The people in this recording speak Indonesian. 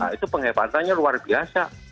nah itu pengepatannya luar biasa